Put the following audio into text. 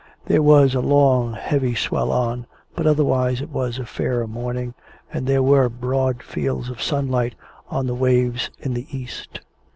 There was a long heavy swell on, but otherwise it was a fair morning, and there were broad fields of sunlight on the waves in the east.